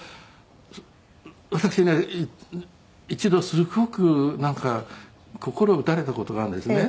私ね一度すごくなんか心打たれた事があるんですね。